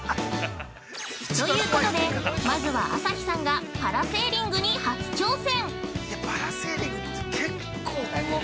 ◆ということで、まずは朝日さんが、パラセーリングに初挑戦。